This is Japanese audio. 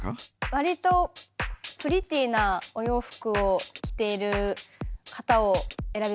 わりとプリティーなお洋服を着ている方を選びました。